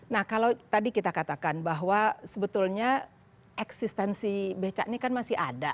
nah kalau tadi kita katakan bahwa sebetulnya eksistensi becak ini kan masih ada